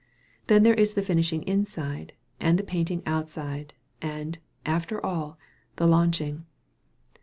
Then there is the finishing inside, and the painting outside, and, after all, the launching.